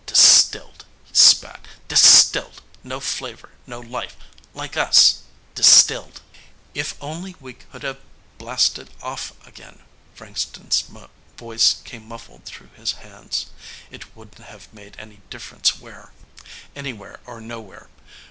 "Distilled," he spat. "Distilled ... no flavor ... no life ... like us ... distilled." "If only we could have blasted off again." Frankston's voice came muffled through his hands. "It wouldn't have made any difference where. Anywhere or nowhere.